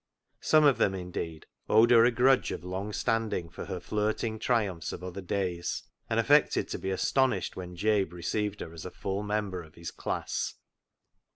Some of them, indeed, owed her a grudge of long standing for her flirting triumphs of other days, and affected to be astonished when Jabe received her as a full member of his " class."